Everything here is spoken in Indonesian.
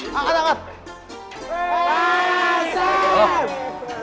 belum ke anak